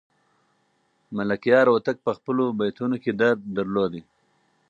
ملکیار هوتک په خپلو بیتونو کې درد لاره.